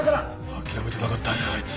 あきらめてなかったんやあいつ。